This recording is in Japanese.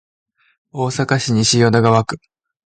大阪市西淀川区